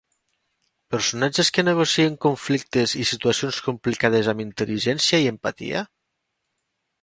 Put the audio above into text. Personatges que negocien conflictes i situacions complicades amb intel·ligència i empatia?